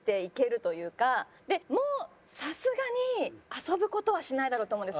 でもうさすがに遊ぶ事はしないだろうと思うんです。